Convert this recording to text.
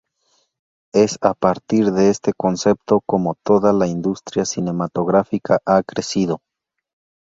Es a partir de este concepto como toda la industria cinematográfica ha crecido.